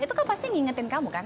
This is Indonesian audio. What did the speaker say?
itu kan pasti mengingatkan kamu kan